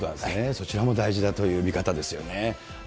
そちらも大事だという見方ですよね。